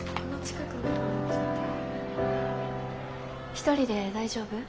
１人で大丈夫？